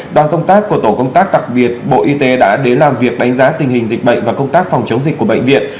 đoàn công tác của tổ công tác đặc biệt bộ y tế đã đến làm việc đánh giá tình hình dịch bệnh và công tác phòng chống dịch của bệnh viện